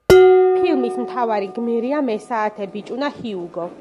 ფილმის მთავარი გმირია მესაათე ბიჭუნა ჰიუგო.